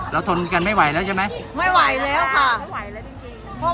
ทนกันไม่ไหวแล้วใช่ไหมไม่ไหวแล้วค่ะไม่ไหวแล้วจริงจริง